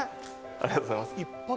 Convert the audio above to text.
ありがとうございます